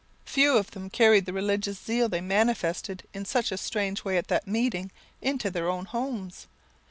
Few of them carried the religious zeal they manifested in such a strange way at that meeting, into their own homes.